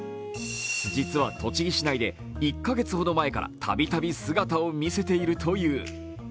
実は栃木市内で１カ月ほど前からたびたび姿を見せているという。